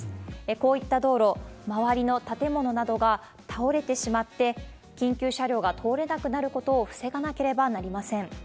こういった道路、周りの建物などが倒れてしまって、緊急車両が通れなくなることを防がなければなりません。